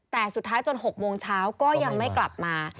แต่สุดท้ายจน๖โมงเช้าก็ยังไม่กลับมา